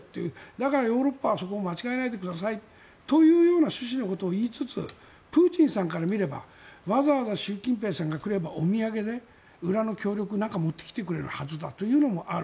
だから、ヨーロッパはそこを間違えないでくださいという趣旨のことを言いつつプーチンさんから見ればわざわざ習近平さんが来ればお土産で裏の協力を何か持ってきてくれるはずだというのもある。